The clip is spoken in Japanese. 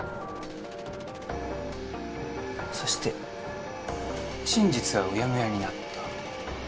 そして真実はうやむやになった。